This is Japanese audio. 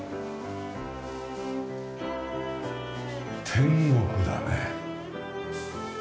天国だね。